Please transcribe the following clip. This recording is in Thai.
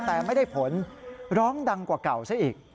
แต่ไม่ได้ผลร้องดังกว่าเก่าซะอีก